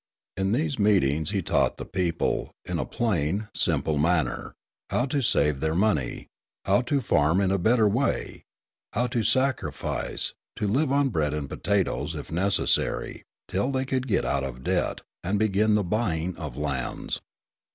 In these meetings he taught the people, in a plain, simple manner, how to save their money, how to farm in a better way, how to sacrifice, to live on bread and potatoes, if necessary, till they could get out of debt, and begin the buying of lands.